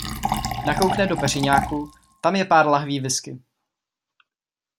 Nakoukne do peřiňáku, tam je pár lahví whisky.